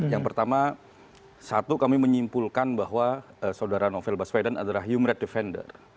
yang pertama satu kami menyimpulkan bahwa saudara novel baswedan adalah human red defender